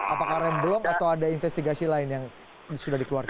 apakah remblong atau ada investigasi lain yang sudah dikeluarkan